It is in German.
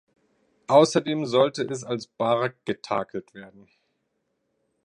Außerdem sollte es als Bark getakelt werden.